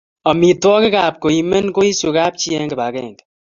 Amitwogikap koimen koisu kapchi eng kipakenge